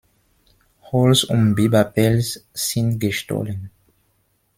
Holz und Biberpelz sind gestohlen.